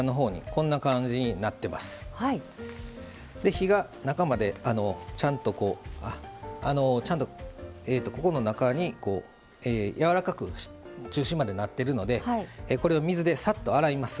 火が中までちゃんとここの中にやわらかく中心までなってるのでこれを水でさっと洗います。